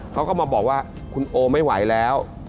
เขาก็มาบอกว่าคุณโอไม่ไหวแล้ว